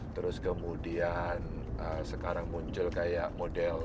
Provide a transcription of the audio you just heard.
terus kemudian sekarang muncul kayak model